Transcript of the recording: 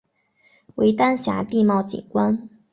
为丹霞地貌景观。